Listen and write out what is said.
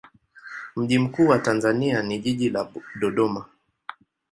Mji mkuu wa Tanzania ni jiji la Dodoma.